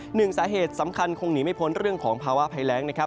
หนึ่งสาเหตุสำคัญคงหนีไม่พ้นเรื่องของภาวะไพร้ง